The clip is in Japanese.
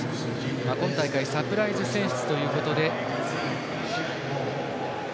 今大会サプライズ選出ということで。